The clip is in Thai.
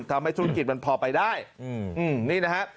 ทำให้ธุรกิจมันพอไปได้นี่นะฮะ